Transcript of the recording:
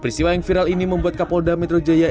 peristiwa yang viral ini membuat kapolda metro jaya